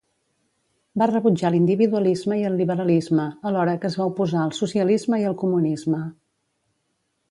Va rebutjar l'individualisme i el liberalisme, alhora que es va oposar al socialisme i al comunisme.